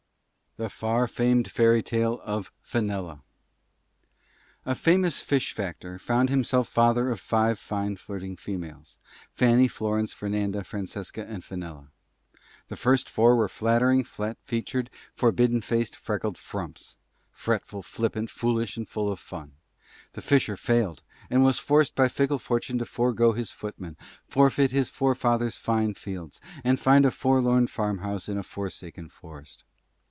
THE FAR FAMED FAIRY TALE OF FENELLA. A Famous Fish Factor Found himself Father of Five Fine Flirting Females, Fanny, Florence, Fernanda, Francesca, and Fenella. The First Four were Flattering, Flat Featured, Forbidden Faced, Freckled Frumps; Fretful, Flippant, Foolish, and Full of Fun. The Fisher Failed, and was Forced by Fickle Fortune to Forego his Footman, Forfeit his Forefather's Fine Fields, and Find a Forlorn Farmhouse in a Forsaken Forest.